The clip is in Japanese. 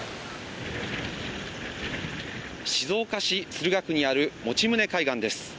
静岡市駿河区にある用宗海岸です。